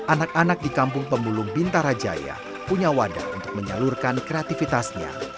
anak anak di kampung pemulung bintarajaya punya wadah untuk menyalurkan kreatifitasnya